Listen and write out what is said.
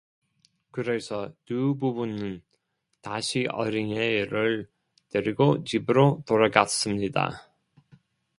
그래서 두 부부는 다시 어린애를 데리고 집으로 돌아갔습니다.